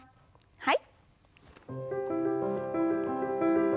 はい。